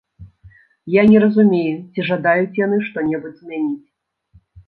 Я не разумею, ці жадаюць яны што-небудзь змяніць.